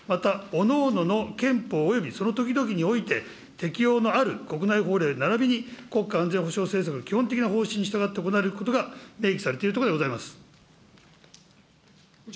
またおのおのの憲法およびそのときどきにおいて適用のある国内法令ならびに国家安全保障政策、基本的な方針に従って行われることが明記されているところでございます。